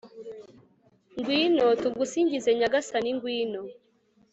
r/ ngwino, tugusingize, nyagasani, ngwino